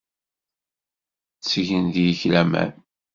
Ttgent deg-k laman.